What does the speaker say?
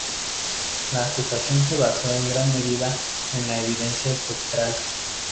La acusación se basó en gran medida en la evidencia espectral.